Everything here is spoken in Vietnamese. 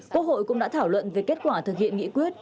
quốc hội cũng đã thảo luận về kết quả thực hiện nghị quyết